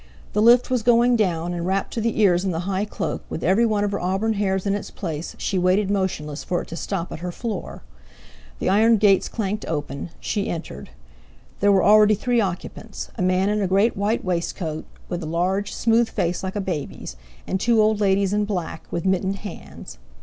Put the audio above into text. The lift was going down; and wrapped to the ears in the high cloak, with every one of her auburn hairs in its place, she waited motionless for it to stop at her floor. The iron gates clanked open; she entered. There were already three occupants, a man in a great white waistcoat, with a large, smooth face like a baby's, and two old ladies in black, with mittened hands.